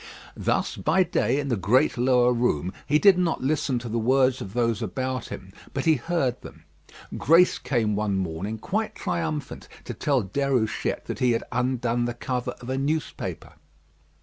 Thus by day in the great lower room, he did not listen to the words of those about him, but he heard them. Grace came one morning quite triumphant to tell Déruchette that he had undone the cover of a newspaper.